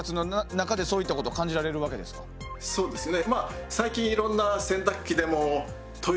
そうですね。